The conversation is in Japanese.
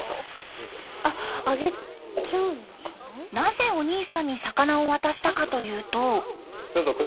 なぜお兄さんに魚を渡したかというと。